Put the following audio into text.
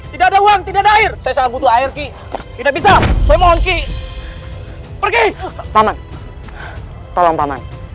tidak ada uang tidak ada air saya butuh air ki tidak bisa semuanya pergi paman tolong paman